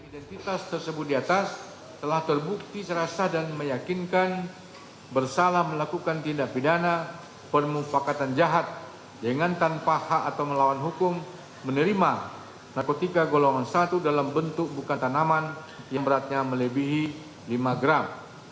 identitas tersebut di atas telah terbukti secara sah dan meyakinkan bersalah melakukan tindak pidana permufakatan jahat dengan tanpa hak atau melawan hukum menerima narkotika golongan satu dalam bentuk bukan tanaman yang beratnya melebihi lima gram